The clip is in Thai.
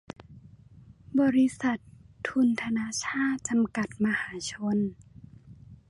บริษัท ทุนธนชาต จำกัด มหาชน